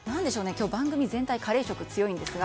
今日、番組全体カレー色が強いんですが。